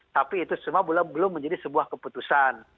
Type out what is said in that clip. tapi itu semua belum menjadi sebuah keputusan